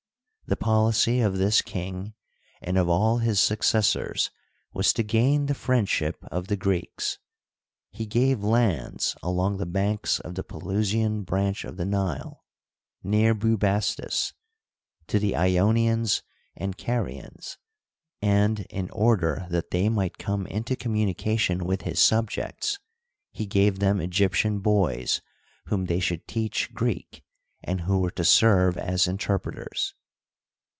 The policy of this king and of all his successors was to gain the friendship of the Greeks. He gave lands along the banks of the Pelusian branch of the Nile, near Bubastis, to the lonians and Carians, and, in order that they might come into communication with his subjects, he gave them Egyptian boys whom they should teach Greek and who were to serve as interpreters.